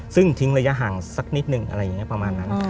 ซึ่งทิ้งระยะห่างสักนิดนึงอะไรอย่างนี้ประมาณนั้น